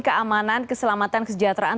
keamanan keselamatan kesejahteraan